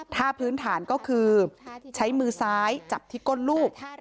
ถ้าพื้นฐานก็คือใช้มือซ้ายจับที่ก้นลูก